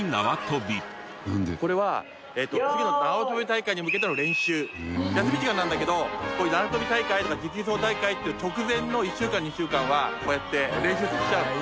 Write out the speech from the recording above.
これは次の休み時間なんだけどこういう縄跳び大会とか持久走大会っていう直前の１週間２週間はこうやって練習させちゃうの。